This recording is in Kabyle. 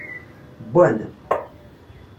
Wwan.